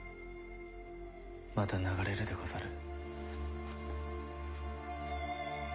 また流れるでござる。